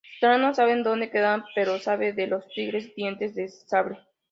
Scrat no sabe en donde quedan pero sabe de los tigres dientes de sable.